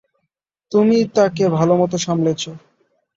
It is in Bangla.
তুমি তাকে ভালোমত সামলেছ।